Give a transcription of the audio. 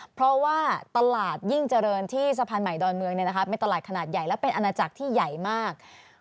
เพราะว่าตลาดยิ่งเจริญที่สะพานใหม่ดอนเมืองเป็นตลาดขนาดใหญ่และเป็นอาณาจักรที่ใหญ่มาก